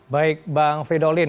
baik bang fridolin